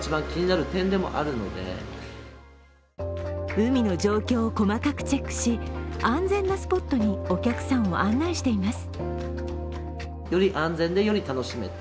海の状況を細かくチェックし安全なスポットにお客さんを案内しています。